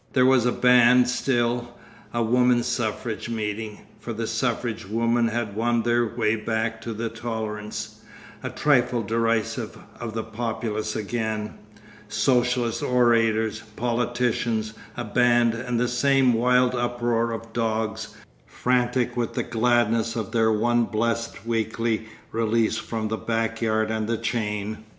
There was a band still, a women's suffrage meeting—for the suffrage women had won their way back to the tolerance, a trifle derisive, of the populace again—socialist orators, politicians, a band, and the same wild uproar of dogs, frantic with the gladness of their one blessed weekly release from the back yard and the chain.